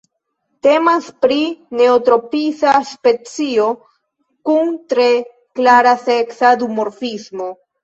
Temas pri neotropisa specio kun tre klara seksa duformismo.